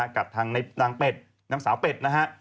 กับทางนางสาวเป็ด